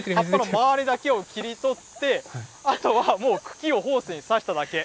周りだけを切り取って、あとはもう茎をホースにさしただけ。